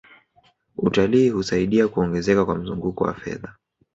utalii husaidia kuongezeka kwa mzunguko wa fedha